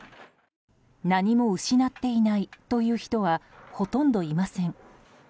何も失っていないという人はほとんどいません。